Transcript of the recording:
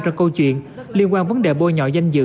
trong câu chuyện liên quan vấn đề bôi nhỏ danh dự